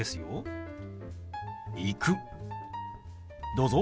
どうぞ。